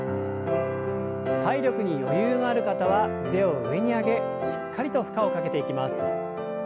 体力に余裕のある方は腕を上に上げしっかりと負荷をかけていきます。